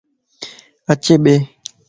اڇي ڀي